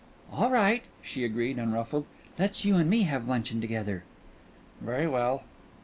"All right," she agreed, unruffled. "Let's you and me have luncheon together." "Very well."